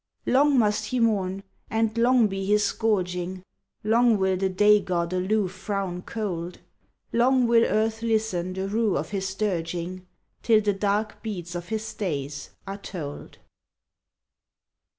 Long must he mourn, and long be his scourging, (Long will the day god aloof frown cold), Long will earth listen the rue of his dirging Till the dark beads of his days are told.